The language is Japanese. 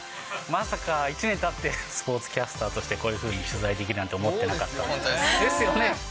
まさか１年たってスポーツキャスターとしてこういうふうに取材で本当です。ですよね。